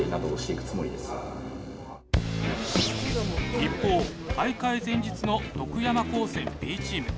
一方大会前日の徳山高専Ｂチーム。